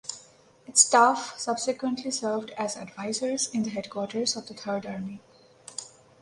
Its staff subsequently served as advisers in the headquarters of the Third Army.